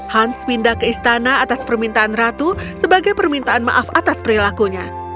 hans pindah ke istana atas permintaan ratu sebagai permintaan maaf atas perilakunya